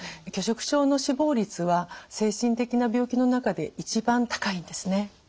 拒食症の死亡率は精神的な病気の中で一番高いんですね。